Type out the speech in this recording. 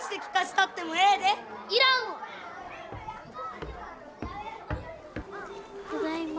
ただいま。